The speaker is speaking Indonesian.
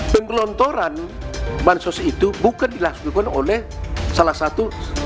penggelontoran bansos itu bukan dilakukan oleh salah satu